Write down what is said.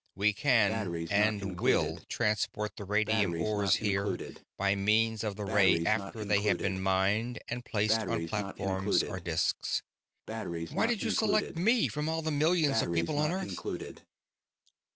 We can and will transport the radium ores here by means of the ray after they have been mined and placed on platforms or disks." "Why did you select me from all the millions of people on Earth?"